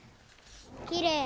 きれい。